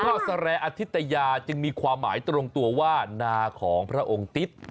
สแรอธิตยาจึงมีความหมายตรงตัวว่านาของพระองค์ติ๊ด